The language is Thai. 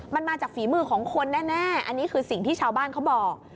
มันมาจากฝีมือของคนแน่อันนี้คือสิ่งที่ชาวบ้านเขาบอก